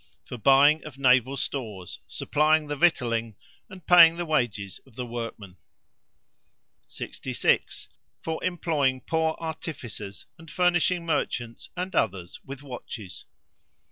For buying of naval stores, supplying the victualling, and paying the wages of the workmen. 66. For employing poor artificers, and furnishing merchants and others with watches.